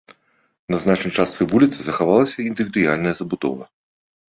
На значнай частцы вуліцы захавалася індывідуальная забудова.